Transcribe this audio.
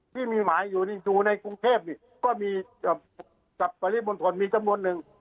ที่มีหมายอยู่ในจูนในกรุงเทพนี่ก็มีจับปริบนธนมีจำนวนนึง